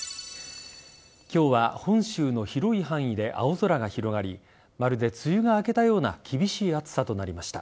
今日は本州の広い範囲で青空が広がりまるで梅雨が明けたような厳しい暑さとなりました。